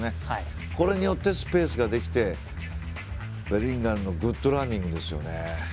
これによってスペースができてベリンガムのグッドランニングですよね。